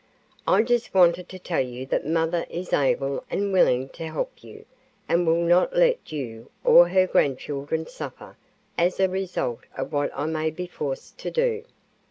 I just wanted to tell you that mother is able and willing to help you and will not let you or her grandchildren suffer as a result of what I may be forced to do."